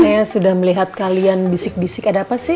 saya sudah melihat kalian bisik bisik ada apa sih